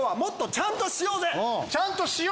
ちゃんとしようぜ！